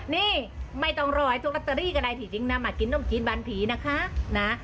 นี่ไม่ต้องรอให้ทุกลอตเตอรี่กันได้ถือจริงนะมากินนมกรี๊นบานผีนะคะ